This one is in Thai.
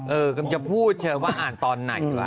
เออคุณจะพูดเธอว่าอ่านตอนไหนหรือวะ